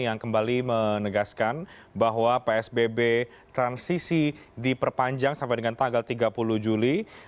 yang kembali menegaskan bahwa psbb transisi diperpanjang sampai dengan tanggal tiga puluh juli